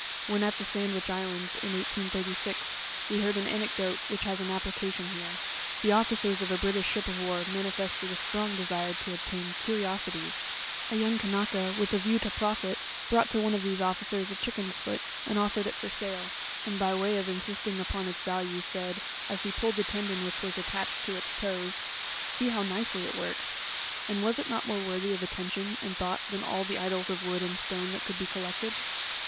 When at the Sandwich Islands, in 1836, we heard an anecdote which has an application here. The officers of a British ship of war manifested a strong desire to obtain " curiosities :" a young Kanaka, with a view to Ee (5) < 6 PREFACE. profit, brought to one of these officers a chicken's foot, and offered it for sale; and by way of insisting upon its value, said, as he pulled the tendon which was attached to its toes, '* See how nicely it works ;" and was it not more worthy of attention and thought than all the idols of wood and stone that could be col lected